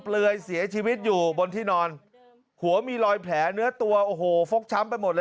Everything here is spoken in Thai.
รอยแผลเนื้อตัวโอ้โหฟกช้ำไปหมด